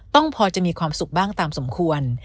ต้องพอจะมีความสุขบ้างตามสมควร